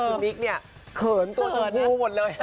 คุณมิ๊กเนี่ยเขินตัวสองคู่หมดเลย